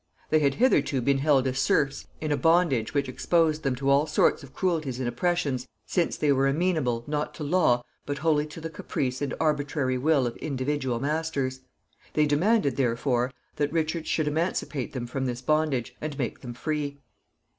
They had hitherto been held as serfs, in a bondage which exposed them to all sorts of cruelties and oppressions, since they were amenable, not to law, but wholly to the caprice and arbitrary will of individual masters. They demanded, therefore, that Richard should emancipate them from this bondage, and make them free.